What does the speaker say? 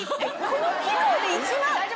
この機能で１万？